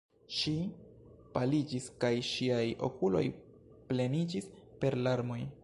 Ŝi paliĝis, kaj ŝiaj okuloj pleniĝis per larmoj.